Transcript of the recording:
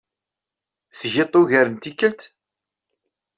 Tgiḍ-t ugar n tikelt?